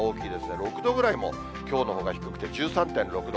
６度ぐらいもきょうのほうが低くて、１３．６度。